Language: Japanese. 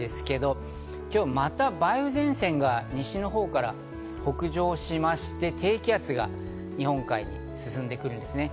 今日、また梅雨前線が西のほうから北上しまして、低気圧が日本海に進んでくるんですね。